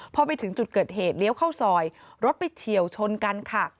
พอไปถึงจุดเกิดเหตุเลี้ยวเข้าซอยรถไปเฉียวชนกันค่ะ